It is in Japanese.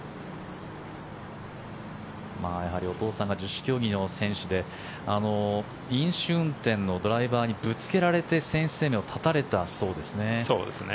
やはりお父さんが十種競技の選手で飲酒運転のドライバーにぶつけられて選手生命を絶たれたそうですね。